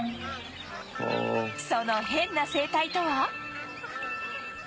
そのヘンな生態とは？